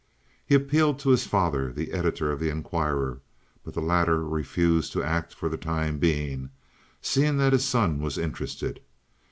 He appealed to his father, the editor of the Inquirer, but the latter refused to act for the time being, seeing that his son was interested.